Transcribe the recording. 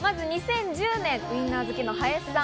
まず２０１０年、ウインナー好きの林さん。